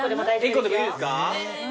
１個でもいいですか？